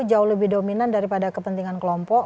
jauh lebih dominan daripada kepentingan kelompok